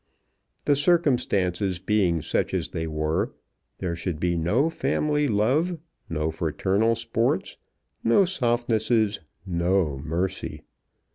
The circumstances being such as they were, there should be no family love, no fraternal sports, no softnesses, no mercy.